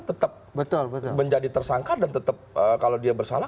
tetap menjadi tersangka dan tetap kalau dia bersalah